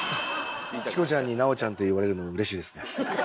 チコちゃんに「南朋ちゃん」って言われるのうれしいですね。